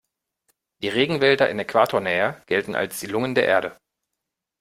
Die Regenwälder in Äquatornähe gelten als die Lunge der Erde.